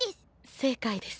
正解です。